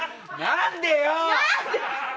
何でよ！